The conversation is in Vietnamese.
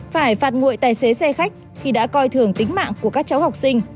phải phạt nguội tài xế xe khách khi đã coi thường tính mạng của các cháu học sinh